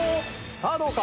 さあどうか？